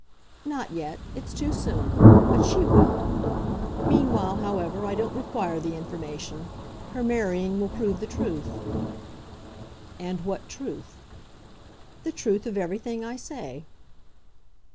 "Not yet. It's too soon. But she will. Meanwhile, however, I don't require the information. Her marrying will prove the truth." "And what truth?" "The truth of everything I say."